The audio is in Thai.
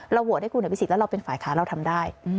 โหวตให้คุณอภิษฎแล้วเราเป็นฝ่ายค้าเราทำได้